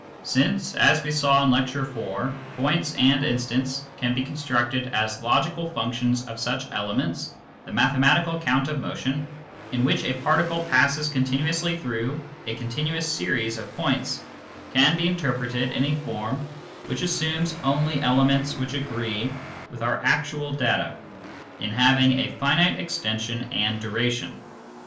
Since, as we saw in Lecture IV., points and instants can be constructed as logical functions of such elements, the mathematical account of motion, in which a particle passes continuously through a continuous series of points, can be interpreted in a form which assumes only elements which agree with our actual data in having a finite extension and duration.